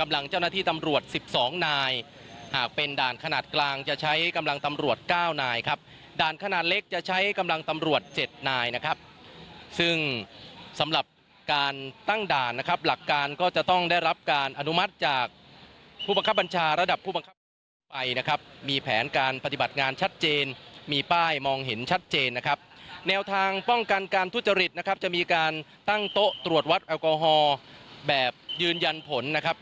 กำลังเจ้าหน้าที่ตำรวจ๑๒นายหากเป็นด่านขนาดกลางจะใช้กำลังตำรวจ๙นายครับด่านขนาดเล็กจะใช้กำลังตำรวจ๗นายนะครับซึ่งสำหรับการตั้งด่านนะครับหลักการก็จะต้องได้รับการอนุมัติจากผู้บังคับบัญชาระดับผู้บังคับไปนะครับมีแผนการปฏิบัติงานชัดเจนมีป้ายมองเห็นชัดเจนนะครับแนวทางป้องกั